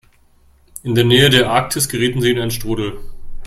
In der Nähe der Arktis gerieten sie in einen Strudel.